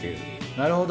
なるほど。